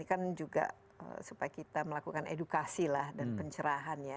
ini kan juga supaya kita melakukan edukasi lah dan pencerahan ya